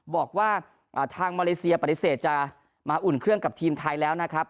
บอกว่าทางมาเลเซียปฏิเสธจะมาอุ่นเครื่องกับทีมไทยแล้วนะครับ